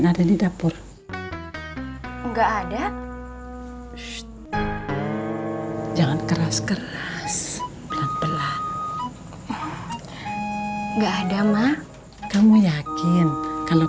ada di dapur enggak ada jangan keras keras pelan pelan enggak ada mak kamu yakin kalau